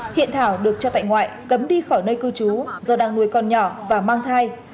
hiện thảo được cho tại ngoại cấm đi khỏi nơi cư trú do đang nuôi con nhỏ và mang thai